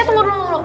eh tunggu dulu